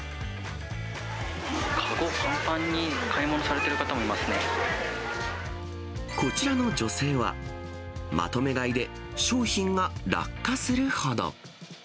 籠ぱんぱんに買い物されてるこちらの女性は、まとめ買いで商品が落下するほど。